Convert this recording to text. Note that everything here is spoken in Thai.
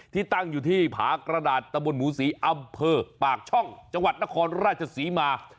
ตั้งอยู่ที่ผากระดาษตะบนหมูศรีอำเภอปากช่องจังหวัดนครราชศรีมา